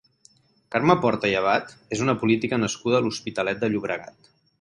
Carme Porta i Abad és una política nascuda a l'Hospitalet de Llobregat.